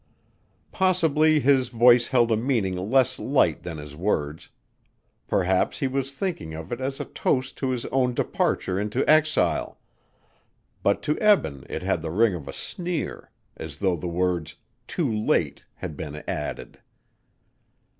Possibly his voice held a meaning less light than his words. Perhaps he was thinking of it as a toast to his own departure into exile, but to Eben it had the ring of a sneer, as though the words "too late" had been added.